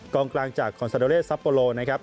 กลางจากคอนซาโดเลสซัปโปโลนะครับ